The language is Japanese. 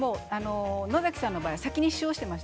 野崎さんの場合は先に塩をしていました